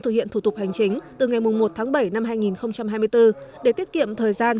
thực hiện thủ tục hành chính từ ngày một tháng bảy năm hai nghìn hai mươi bốn để tiết kiệm thời gian